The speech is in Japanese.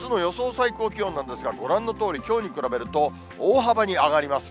最高気温なんですが、ご覧のとおり、きょうに比べると大幅に上がります。